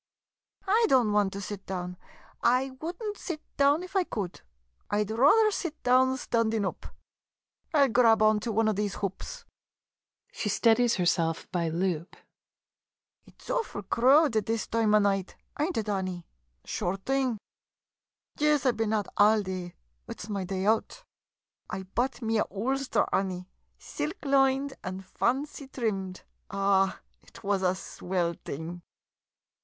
I don't want to sit down — I would n't sit down if I could — I 'd rather sit down standin' oop ! I '11 grab onto one of these hoops ! [She steadies herself by loop.] Ut 's awful crowded this toime a night — ain't ut — Annie? Sure t'ing. Yis — I bin out all day — ut 's my day out. I bought me a oolster, Annie, silk lined and fancy trimmed — ah — ut was a swill t'ing.